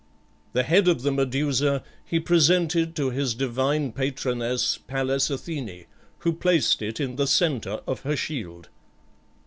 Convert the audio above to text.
The head of the Medusa he presented to his divine patroness, Pallas Athene, who placed it in the centre of her shield.